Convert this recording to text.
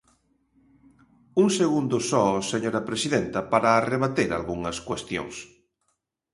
Un segundo só, señora presidenta, para rebater algunhas cuestións.